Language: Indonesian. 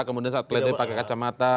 kemudian saat peledai pakai kacamata